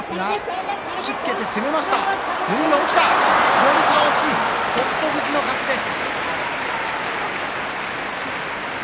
寄り倒し、北勝富士の勝ちです。